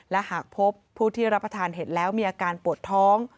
และหากพบผู้ที่รับประทานเห็ดแล้วมีอาการปวดท้อง